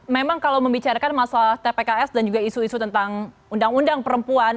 memang kalau membicarakan masalah tpks dan juga isu isu tentang undang undang perempuan